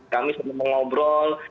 kami sering mengobrol